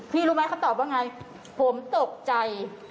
รู้ไหมเขาตอบว่าไงผมตกใจ